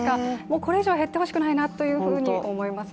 これ以上減ってほしくないなと思いますね。